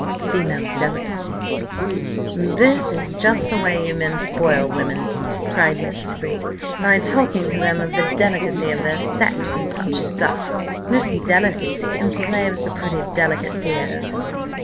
Female delicacy " "This is just the way you men spoil women," cried Mrs. Freke, "by talking to them of the delicacy of their sex, and such stuff. This delicacy enslaves the pretty delicate dears."